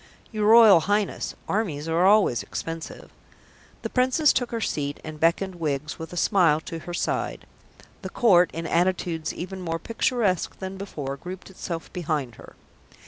"Your Royal Highness, armies are always expensive." The Princess took her seat, and beckoned Wiggs with a smile to her side. The Court, in attitudes even more picturesque than before, grouped itself behind her.